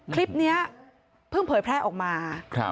คลิปนี้เพิ่งเผยแพร่ออกมา